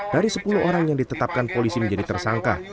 dari sepuluh orang yang ditetapkan polisi menjadi tersangka